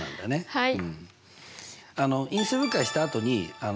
はい。